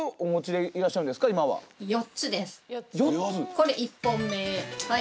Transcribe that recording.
これ１本目はい